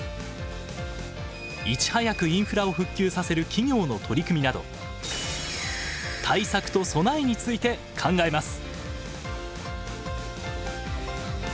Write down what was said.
いち早くインフラを復旧させる企業の取り組みなど対策と備えについて考えます。